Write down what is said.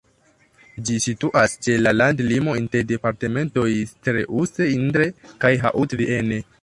Ĝi situas ĉe la landlimo inter la departementoj Creuse, Indre kaj Haute-Vienne.